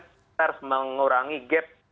kita harus mengurangi gap